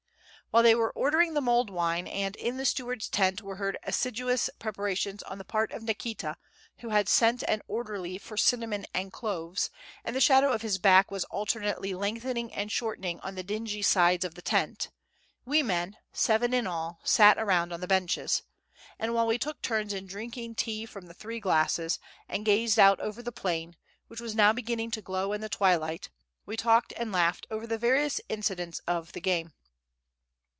While they were ordering the mulled wine, and in the steward's tent were heard assiduous preparations on the part of Nikita, who had sent an orderly for cinnamon and cloves, and the shadow of his back was alternately lengthening and shortening on the dingy sides of the tent, we men, seven in all, sat around on the benches; and while we took turns in drinking tea from the three glasses, and gazed out over the plain, which was now beginning to glow in the twilight, we talked and laughed over the various incidents of the game.